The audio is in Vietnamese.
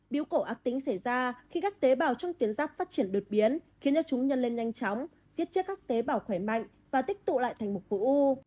bíu cổ ác tính xảy ra khi các tế bào trong tuyến sáp phát triển đột biến khiến cho chúng nhân lên nhanh chóng giết chết các tế bào khỏe mạnh và tích tụ lại thành một phối u